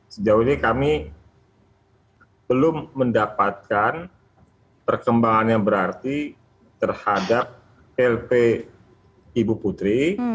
sejauh ini kami belum mendapatkan perkembangan yang berarti terhadap lp ibu putri